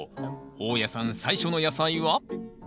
大家さん最初の野菜は？